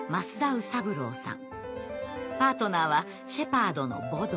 パートナーはシェパードのボド。